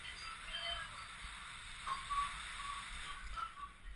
任第二十集团军陆军第三十二军司令部直属炮兵营营长等职。